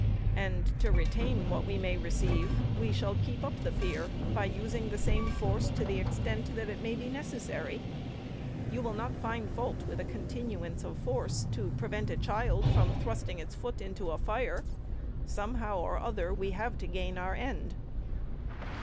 And, to retain what we may receive, we shall keep up the fear by using the same force to the extent that it may be necessary. You will not find fault with a continuance of force to prevent a child from thrusting its foot into fire? Somehow or other, we have to gain our end.